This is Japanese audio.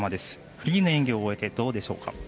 フリーの演技を終えてどうでしょうか？